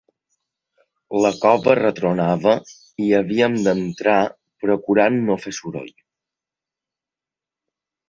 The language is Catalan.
La cova retronava; hi havíem d'entrar procurant no fer soroll.